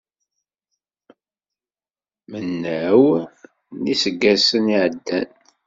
Mennaw n iseggasen i ɛeddan.